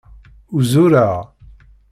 Uzureɣ.